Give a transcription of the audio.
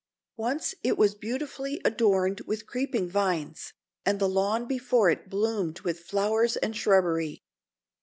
Once it was beautifully adorned with creeping vines, and the lawn before it bloomed with flowers and shrubbery.